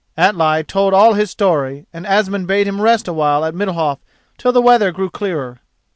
Atli told all his story, and Asmund bade him rest a while at Middalhof till the weather grew clearer.